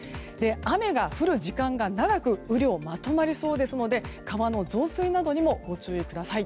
雨が降る時間が長く雨量、まとまりそうですので川の増水などにもご注意ください。